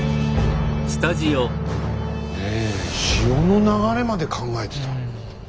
潮の流れまで考えてた。